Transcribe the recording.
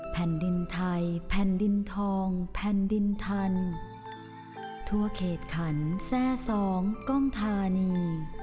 แผ่นดินไทยแผ่นดินทองแผ่นดินทันทั่วเขตขันแทร่สองกล้องธานี